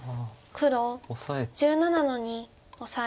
黒１７の二オサエ。